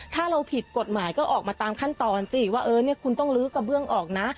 ถ้าเราผิดกฎหมายก็ออกมาตามขั้นตอนสิว่าเออเนี่ยคุณต้องลื้อกระเบื้องออกนะ